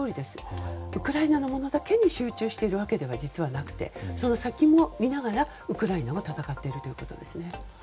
ウクライナだけに集中しているだけではなくその先も見ながらウクライナは戦っているということですね。